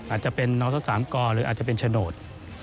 อาจจะเป็นนักศึกษาสามกรหรืออาจจะเป็นฉโนธ